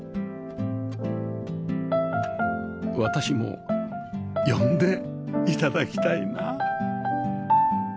私も呼んで頂きたいな